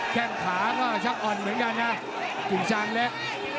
แค่ขาก็จะอ่อนเหมือนกันนะจุงช่างเล็ก